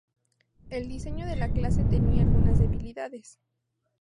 El diseño de la clase tenía algunas debilidades.